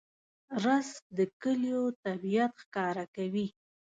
رس د کلیو طبیعت ښکاروي